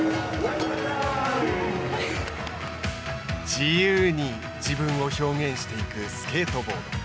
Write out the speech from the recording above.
自由に自分を表現していくスケートボード。